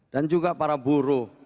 dan juga para buruh